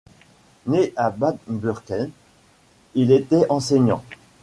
Né à Bad Dürkheim, il était enseignant.